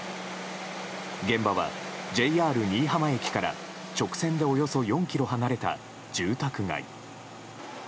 現場は、ＪＲ新居浜駅から直線でおよそ４ｋｍ離れた住宅街。